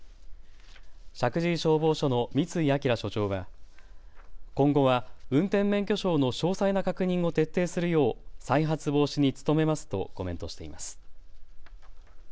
石神井消防署の三ツ井彰署長は今後は運転免許証の詳細な確認を徹底するよう再発防止に努めますとコメントしています。